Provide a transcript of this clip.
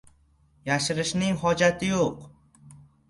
Yashirishning hojati yoʻq.